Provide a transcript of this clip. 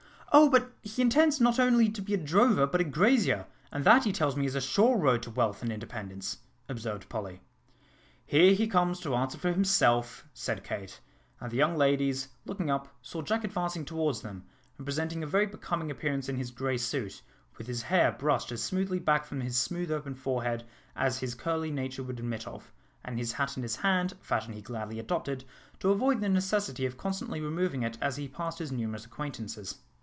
"Oh! but he intends not only to be a drover, but a grazier; and that, he tells me, is a sure road to wealth and independence," observed Polly. "Here he comes to answer for himself," said Kate, and the young ladies, looking up, saw Jack advancing towards them, and presenting a very becoming appearance in his grey suit, with his hair brushed as smoothly back from his smooth open forehead as its curly nature would admit of, and his hat in his hand, a fashion he gladly adopted, to avoid the necessity of constantly removing it as he passed his numerous acquaintances.